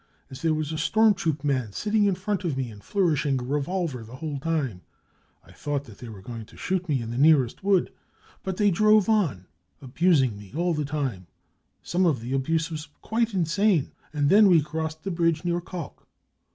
As there was a storm troop man sitting in front of me and flourishing a revolver the whole time, I thought thajrthey were going to shoot me in the nearest wood. But they drove on, abusing me all the time some of # the abuse was quite insane— and then we crossed the bridge near Kalk.